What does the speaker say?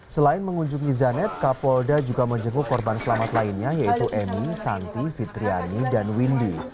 selain mengunjungi zanet kapolda juga menjenguk korban selamat lainnya yaitu emi santi fitriani dan windy